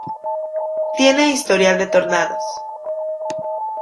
Tiene historial de tornados.